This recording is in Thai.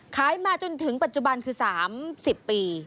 ขายมาจนถึงปัจจุบันคือ๓๐ปี